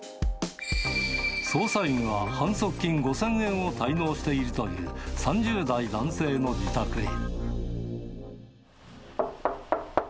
捜査員が反則金５０００円を滞納しているという３０代男性の自宅へ。